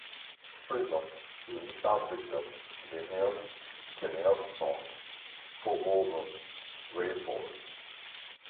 The prison is the subject of the Lynyrd Skynyrd song "Four Walls of Raiford".